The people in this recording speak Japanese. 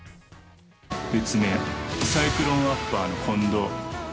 ◆別名サイクロンアッパーの近藤。